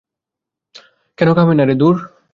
-কেন খাবে না রে, দূর।